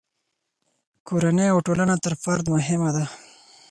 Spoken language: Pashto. کورنۍ او ټولنه تر فرد مهمه ده.